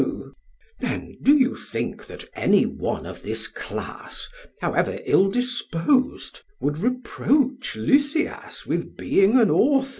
SOCRATES: Then do you think that any one of this class, however ill disposed, would reproach Lysias with being an author?